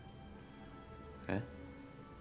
えっ？